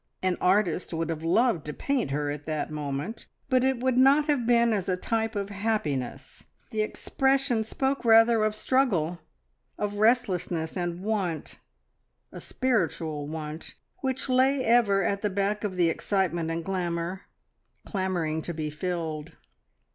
An artist would have loved to paint her at that moment, but it would not have been as a type of happiness. The expression spoke rather of struggle, of restlessness, and want a spiritual want which lay ever at the back of the excitement and glamour, clamouring to be filled.